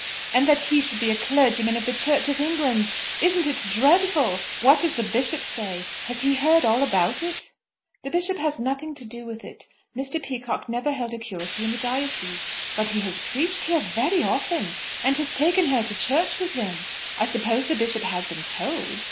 "And that he should be a clergyman of the Church of England! Isn't it dreadful? What does the Bishop say? Has he heard all about it?" "The Bishop has nothing to do with it. Mr. Peacocke never held a curacy in the diocese." "But he has preached here very often, and has taken her to church with him! I suppose the Bishop has been told?"